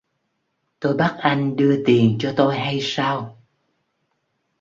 tôi bắt anh đưa tiền cho tôi hay sao